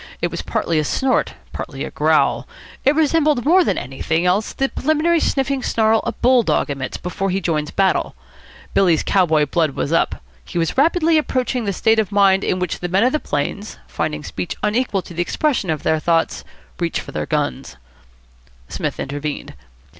It was partly a snort, partly a growl. It resembled more than anything else the preliminary sniffing snarl a bull dog emits before he joins battle. Billy's cow boy blood was up. He was rapidly approaching the state of mind in which the men of the plains, finding speech unequal to the expression of their thoughts, reach for their guns. Psmith intervened.